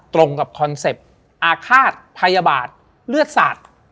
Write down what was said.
ตรงกับคอนเซ็ปต์อาฆาตพยาบาทเลือดสาด